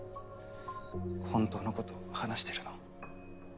本当のこと話してるの。